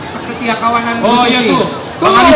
persetiak kawanan bu susi